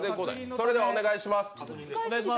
それではお願いします。